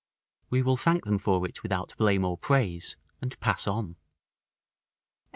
We will thank them for it without blame or praise, and pass on.